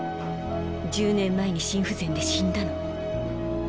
１０年前に心不全で死んだの。